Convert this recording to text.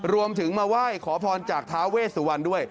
รวมถึงมาไหว้ขอพรจากท้าเวสวรรณด้วย